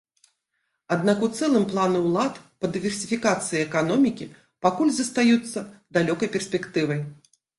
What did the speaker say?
Аднак у цэлым планы ўлад па дыверсіфікацыі эканомікі пакуль застаюцца далёкай перспектывай.